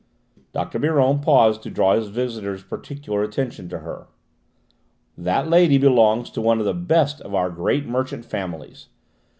Dr. Biron paused to draw his visitor's particular attention to her. "That lady belongs to one of the best of our great merchant families.